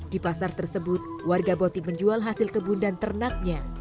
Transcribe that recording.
di pasar tersebut warga boti menjual hasil kebun dan ternaknya